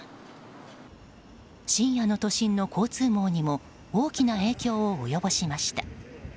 深夜の都心の交通網にも大きな影響を及ぼしました。